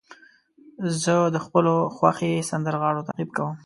زه د خپلو خوښې سندرغاړو تعقیب کوم.